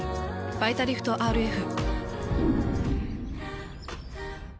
「バイタリフトＲＦ」。